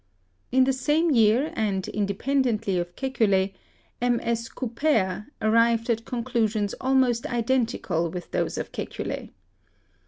In the same year and independently of Kekule, M. S. 242 CHEMISTRY Couper arrived at conclusions almost identical with those of Kekule.